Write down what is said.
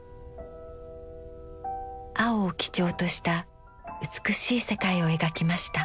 青を基調とした美しい世界を描きました。